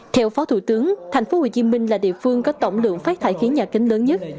theo phó thủ tướng thành phố hồ chí minh là địa phương có tổng lượng phát thải khí nhà kính lớn nhất